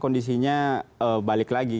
kondisinya balik lagi